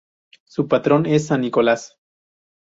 Su patrón es San Nicolás.